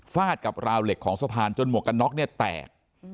ฟาดกับราวเหล็กของสะพานจนหมวกกันน็อกเนี่ยแตก